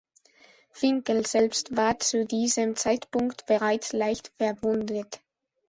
Finkel selbst war zu diesem Zeitpunkt bereits leicht verwundet.